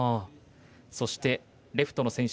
そして、レフトの選手